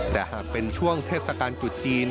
แต่หากเป็นช่วงเทศกาลจุดจีน